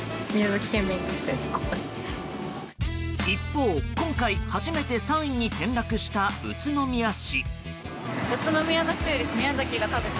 一方、今回初めて３位に転落した宇都宮市。